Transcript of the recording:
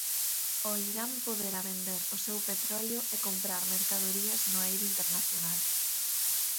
O Irán poderá vender o seu petróleo e comprar mercadorías no eido internacional.